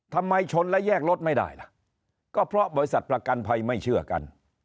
ทำไมชนแล้วแยกรถไม่ได้ล่ะก็เพราะบริษัทประกันภัยไม่เชื่อกัน